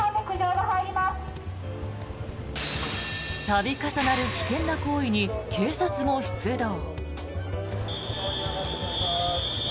度重なる危険な行為に警察も出動。